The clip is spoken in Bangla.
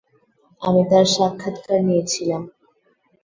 আমি তার সাক্ষাৎকার নিয়েছিলাম।